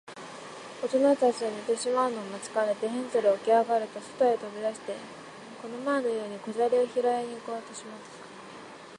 おとなたちの寝てしまうのを待ちかねて、ヘンゼルはおきあがると、そとへとび出して、この前のように小砂利をひろいに行こうとしました。